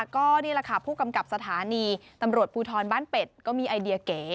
ก็นี่แหละค่ะผู้กำกับสถานีตำรวจภูทรบ้านเป็ดก็มีไอเดียเก๋